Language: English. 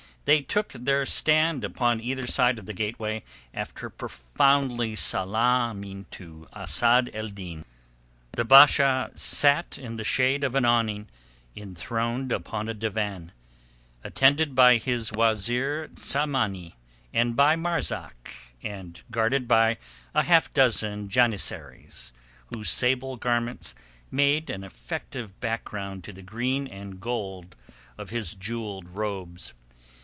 They took their stand upon either side of the gateway after profoundly salaaming to Asad ed Din. The Basha sat in the shade of an awning enthroned upon a divan, attended by his wazeer Tsamanni and by Marzak, and guarded by a half dozen janissaries, whose sable garments made an effective background to the green and gold of his jewelled robes.